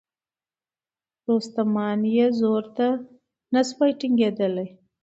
رستمان یې زور ته نه سوای ټینګېدلای